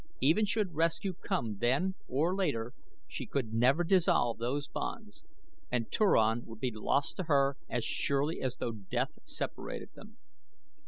Even should rescue come then or later she could never dissolve those bonds and Turan would be lost to her as surely as though death separated them.